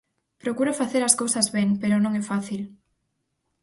Procuro facer as cousas ben, pero non é fácil.